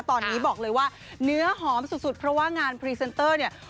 ตอนนี้บอกเลยว่าเนื้อหอมสุดเพราะว่างานพรีเซนเตอร์เนี่ย